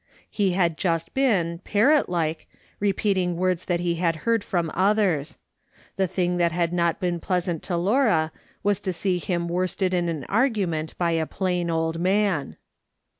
He liad just been, parrot like, repeating words that he had heard from others. The thing that had not been pleasant to Laura was to see him worsted in argument by a plain old man.